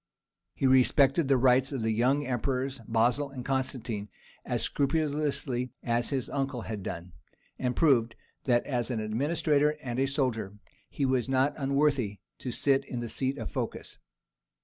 He respected the rights of the young emperors Basil and Constantine as scrupulously as his uncle had done, and proved that as an administrator and a soldier he was not unworthy to sit in the seat of Phocas.